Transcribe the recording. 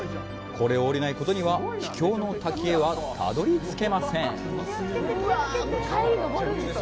これを降りないことには秘境の滝へはたどり着けません。